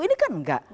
ini kan enggak